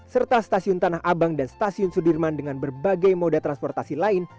serta stasiun tanah abang dan stasiun sudirman dengan berbagai moda transportasi lain